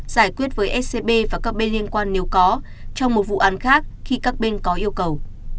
giải quyết với scb và các bên liên quan nếu có trong một vụ án khác khi các bên có yêu cầu